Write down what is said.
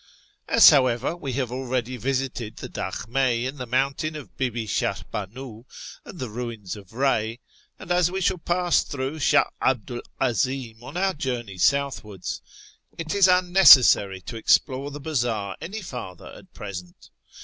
As, however, we have already visited the dahlimd in tlie jMountain of Bibi Shahrbanu and the ruins of Eey, and as we shall pass through Shah 'Abdu 'l 'Azi'ni on our journey south wards, it is unnecessary to explore the bazaar any farther at present.